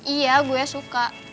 iya gue suka